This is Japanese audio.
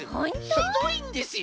ひどいんですよ。